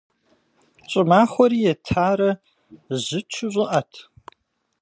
Щӏымахуэри етарэ, жьычу щӏыӏэт.